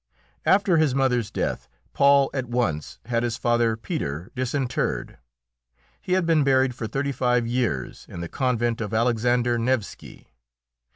After his mother's death, Paul at once had his father Peter disinterred; he had been buried for thirty five years in the convent of Alexander Nevski.